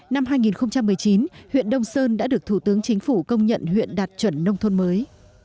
năm hai nghìn một mươi chín huyện đông sơn đã được thủ tướng chính phủ công nhận huyện đạt chuẩn nông thôn mới